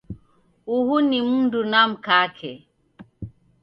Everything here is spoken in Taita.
Uhu ni mundu na mkake